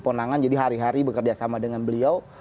ponangan jadi hari hari bekerja sama dengan beliau